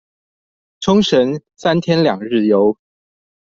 沖繩三天兩日遊